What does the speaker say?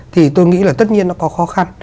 thì tôi nghĩ là tất nhiên nó có khó khăn